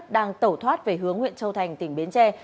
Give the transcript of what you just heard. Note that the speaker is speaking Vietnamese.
đang tẩu thoát về hướng huyện châu thành tỉnh bến tre